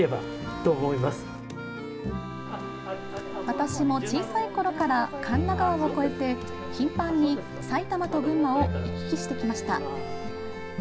私も小さいころから神流川を越えて頻繁に埼玉と群馬を行き来してきました。